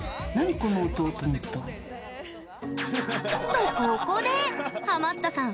と、ここでハマったさん